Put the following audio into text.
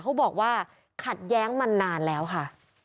เขาบอกว่าขัดแย้งมานานแล้วค่ะ